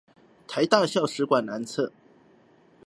臺大校史館南側